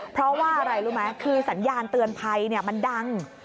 เพราะว่าอะไรรู้ไหมคือสัญญาณเตือนภัยมันดัง